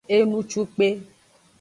Enucukpe.